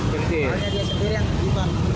kepas kritis yang terkipas